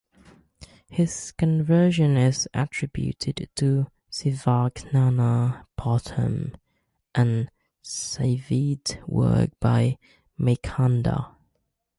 His conversion is attributed to "Sivagnana bodham", an saivite work by Meykandar.